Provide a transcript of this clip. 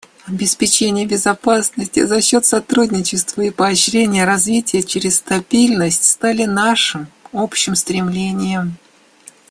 Обеспечение безопасности за счет сотрудничества и поощрение развития через стабильность стали нашим общим стремлением.